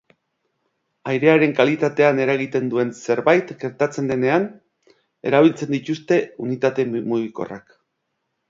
Airearen kalitatean eragiten duen zerbait gertatzen denean erabiltzen dituzte unitate mugikorrak.